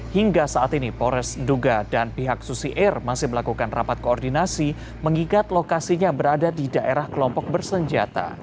hingga saat ini polres duga dan pihak susi air masih melakukan rapat koordinasi mengingat lokasinya berada di daerah kelompok bersenjata